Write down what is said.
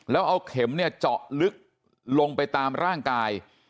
แล้วเอาเข็มจอกลึกลงไปตามร่างกาย